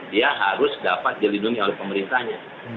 dia harus dapat dilindungi oleh pemerintahnya